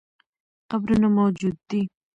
قبرونه موجود دي.